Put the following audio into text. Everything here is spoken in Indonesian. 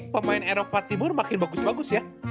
pemain eropa timur makin bagus bagus ya